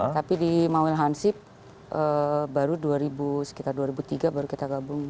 tapi di mawil hansip baru dua ribu sekitar dua ribu tiga baru kita gabung